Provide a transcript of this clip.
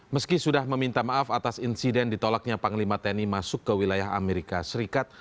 meski sudah meminta maaf atas insiden ditolaknya panglima tni masuk ke wilayah amerika serikat